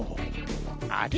あれ？